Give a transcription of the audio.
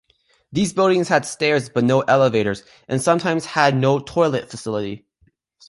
These buildings had stairs but no elevators, and sometimes had no toilet facility.